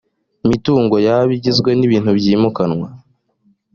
mitungo yaba igizwe n ibintu byimukanwa